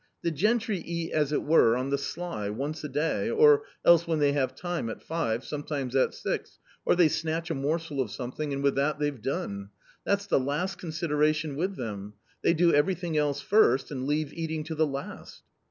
The gentry eat as it were on the sly, once a day, or else when they have time, at five, sometimes at six ; or they snatch a morsel of something and with that they've done. That's the last consideration with them ; they do everything else first and leave eating to the last."